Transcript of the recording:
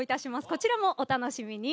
こちらもお楽しみに。